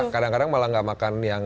kadang kadang malah gak makan yang